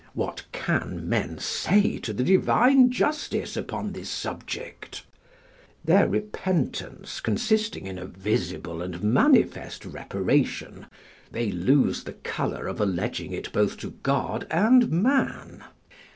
What can men say to the divine justice upon this subject? Their repentance consisting in a visible and manifest reparation, they lose the colour of alleging it both to God and man.